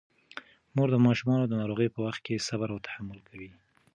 مور د ماشومانو د ناروغۍ په وخت کې صبر او تحمل کوي.